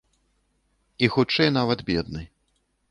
І хутчэй нават бедны.